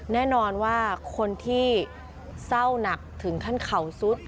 แน่นอนว่าคนที่เศร้าหนักถึงขั้นเข่าซุด